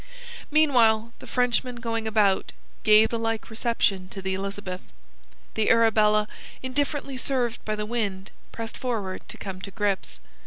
Meanwhile, the Frenchmen going about, gave the like reception to the Elizabeth. The Arabella, indifferently served by the wind, pressed forward to come to grips.